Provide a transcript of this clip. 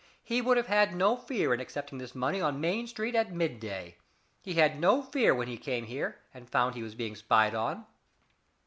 He would have had no fear in accepting this money on Main Street at midday. He had no fear when he came here and found he was being spied on.